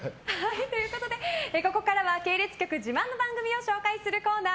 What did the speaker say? ここからは系列局自慢の番組を紹介するコーナー